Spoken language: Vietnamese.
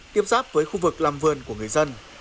tiếp giáp với khu vực làm vườn của người dân